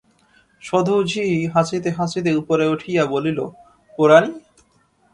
সদু ঝি হাসিতে হাসিতে উপরে উঠিয়া বলিল, পোড়ানি!